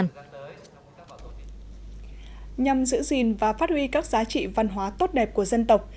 nhằm giữ gìn và phát huy các giá trị văn hóa tốt đẹp của dân tộc